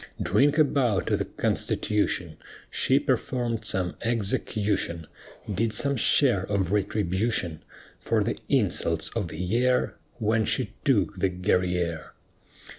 Drink a bout to the Constitution! She performed some execution, Did some share of retribution For the insults of the year When she took the Guerrière.